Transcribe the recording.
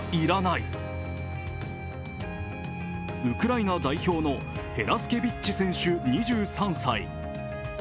ウクライナ代表のヘラスケビッチ選手２３際。